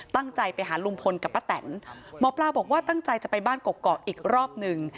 ตั้งใจไปหาลุงพลกับป้าแตนหมอปลาบอกว่าตั้งใจจะไปบ้านเกาะอีกรอบหนึ่ง